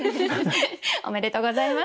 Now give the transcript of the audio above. おめでとうございます。